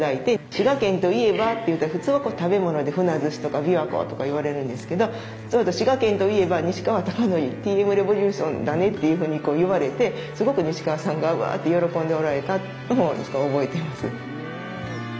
「滋賀県といえば」といったら普通は食べ物で「ふなずし」とか「琵琶湖」とか言われるんですけど「滋賀県といえば西川貴教Ｔ．Ｍ．Ｒｅｖｏｌｕｔｉｏｎだね」っていうふうにこう言われてすごく西川さんが「ワー」って喜んでおられたのを覚えてます。